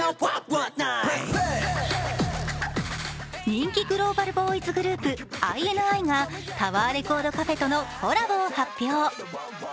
人気グローバルボーイズグループ、ＩＮＩがタワーレコードカフェとのコラボを発表。